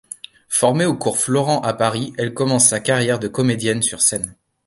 Formée au Cours Florent à Paris, elle commence sa carrière de comédienne sur scène.